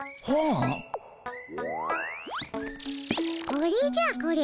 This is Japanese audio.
これじゃこれ。